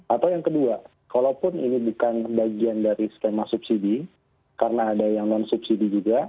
atau yang kedua kalaupun ini bukan bagian dari skema subsidi karena ada yang non subsidi juga